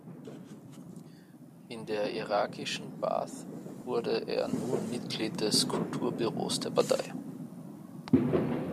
In der irakischen Baʿth wurde er nun Mitglied des Kulturbüros der Partei.